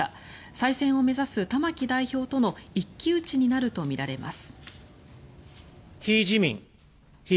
再選を目指す玉木代表との一騎打ちになるとみられます。